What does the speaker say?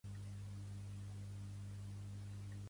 Els seus poemes han estat traduïts a l'anglès, coreà, suec i àrab.